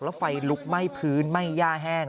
แล้วไฟลุกไหม้พื้นไหม้ย่าแห้ง